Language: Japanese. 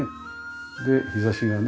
で日差しがね